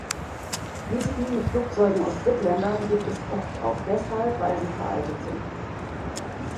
Risiken mit Flugzeugen aus Drittländern gibt es oft auch deshalb, weil sie veraltet sind.